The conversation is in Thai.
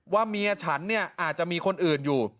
เมียฉันเนี่ยอาจจะมีคนอื่นอยู่